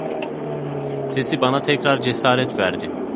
Sesi bana tekrar cesaret verdi.